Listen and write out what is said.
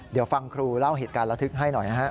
เดี๋ยวฟังครูเล่าเหตุการณ์ระทึกให้หน่อยนะฮะ